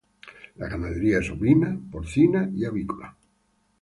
La ganadería es ovina, porcina y avícola.